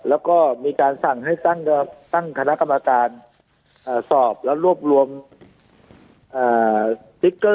แล้วก็มีการสั่งให้ตั้งตั้งคณะกรรมการอ่าสอบแล้วรวบรวมอ่า